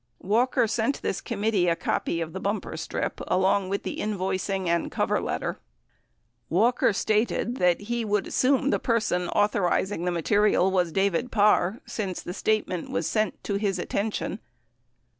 Walker sent this committee a copy of the bumper strip, along with the invoicing and cover letter. 79 W alker stated that he "would assume the person authorizing the mate rial was David Parr, since the statement was sent to his attention."